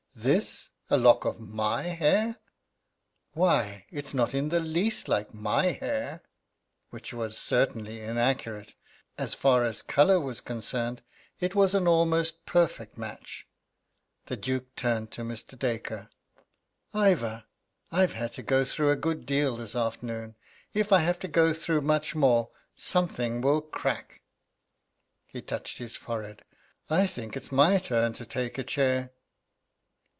This a lock of my hair! Why, it's not in the least like my hair!" Which was certainly inaccurate. As far as color was concerned it was an almost perfect match. The Duke turned to Mr. Dacre. "Ivor, I've had to go through a good deal this afternoon. If I have to go through much more, something will crack!" He touched his forehead. "I think it's my turn to take a chair."